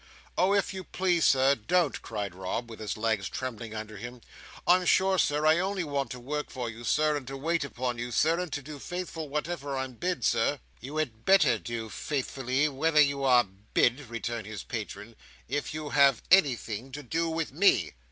"Oh if you please, don't, Sir!" cried Rob, with his legs trembling under him. "I'm sure, Sir, I only want to work for you, Sir, and to wait upon you, Sir, and to do faithful whatever I'm bid, Sir." "You had better do faithfully whatever you are bid," returned his patron, "if you have anything to do with me."